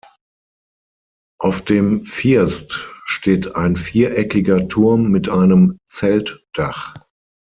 Auf dem First steht ein viereckiger Turm mit einem Zeltdach.